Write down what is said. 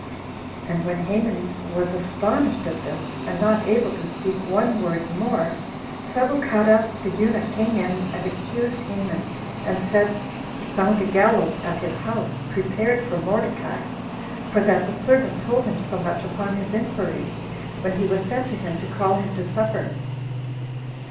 And when Haman was astonished at this, and not able to speak one word more, Sabuchadas the eunuch came in and accused Haman, and said, He found a gallows at his house, prepared for Mordecai; for that the servant told him so much upon his inquiry, when he was sent to him to call him to supper.